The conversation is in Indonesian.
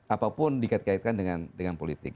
apapun dikaitkan dengan politik